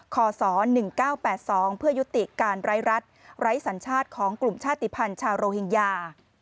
ข้อสองหนึ่งเก้าแปดสองเพื่อยุติการไร้รัฐไร้สัญชาติของกลุ่มชาติภัณฑ์ชาวโรหิงยา